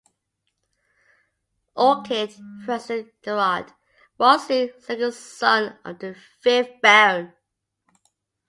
Richard Francis Gerard Wrottesley, second son of the fifth Baron.